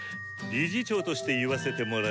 理事長として言わせてもらえば。